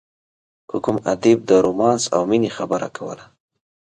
که کوم ادیب د رومانس او مینې خبره کوله.